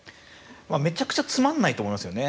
めちゃくちゃつまんないと思いますよね。